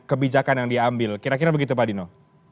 kebijakan yang diambil kira kira begitu pak dino